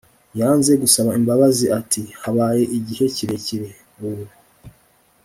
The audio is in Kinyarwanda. yanze gusaba imbabazi ati habaye igihe kirekire, ubu